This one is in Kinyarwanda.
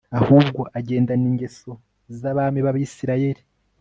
ahubwo agendana ingeso z'abami b'abisirayeli